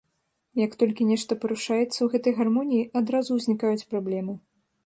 Як толькі нешта парушаецца ў гэтай гармоніі, адразу ўзнікаюць праблемы.